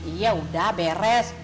iya udah beres